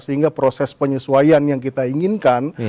sehingga proses penyesuaian yang kita inginkan